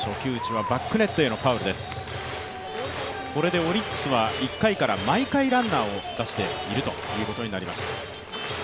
これでオリックスは１回から毎回ランナーを出していることになります。